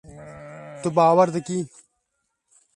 Tu bawer dikî.